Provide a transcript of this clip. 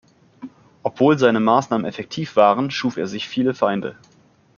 Obwohl seine Maßnahmen effektiv waren, schuf er sich viele Feinde.